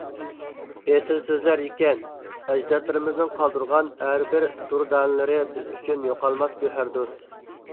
ئېسىل سۆزلەر ئىكەن، ئەجدادلىرىمىزنىڭ قالدۇرغان ھەر بىر دۇردانىلىرى بىز ئۈچۈن يوقالماس گۆھەردۇر.